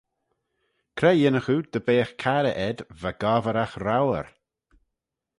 Cre yinnagh oo dy beagh carrey ayd va gobbragh rour?